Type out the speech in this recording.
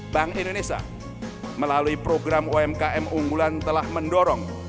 bank indonesia melalui program umkm unggulan telah mendorong